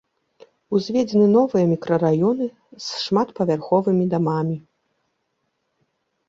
Узведзены новыя мікрараёны з шматпавярховымі дамамі.